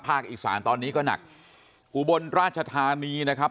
อีสานตอนนี้ก็หนักอุบลราชธานีนะครับ